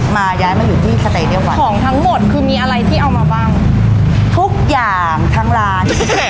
มาย้ายมาอยู่ที่สเตยดีกว่าของทั้งหมดคือมีอะไรที่เอามาบ้างทุกอย่างทั้งร้าน